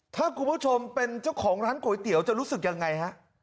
ถ้าคุณผู้ชมเป็นเจ้าของร้านก๋วยเตี๋ยวจะรู้สึกยังไงฮะ